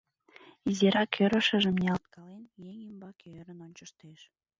Изирак ӧрышыжым ниялткален, еҥ ӱмбаке ӧрын ончыштеш.